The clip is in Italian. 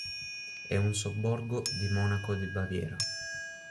È un sobborgo di Monaco di Baviera.